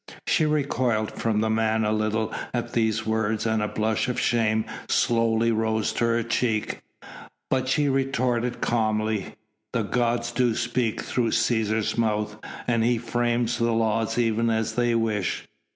She recoiled from the man a little at these words and a blush of shame slowly rose to her cheek. But she retorted calmly: "The gods do speak through Cæsar's mouth and he frames the laws even as they wish."